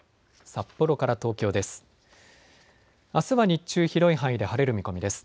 札幌から東京です。